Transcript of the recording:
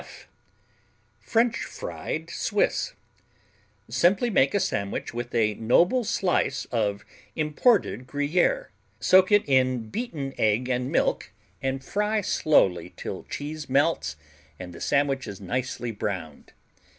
F French fried Swiss Simply make a sandwich with a noble slice of imported Gruyère, soak it in beaten egg and milk and fry slowly till cheese melts and the sandwich is nicely browned.